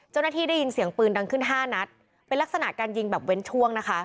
ได้ยินเสียงปืนดังขึ้นห้านัดเป็นลักษณะการยิงแบบเว้นช่วงนะคะ